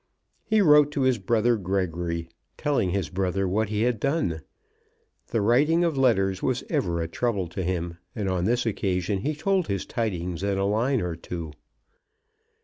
He wrote to his brother Gregory, telling his brother what he had done. The writing of letters was ever a trouble to him, and on this occasion he told his tidings in a line or two.